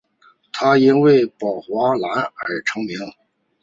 他也因宝华蓝而成名。